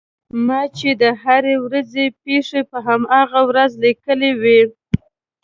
ما چې د هرې ورځې پېښې په هماغه ورځ لیکلې وې.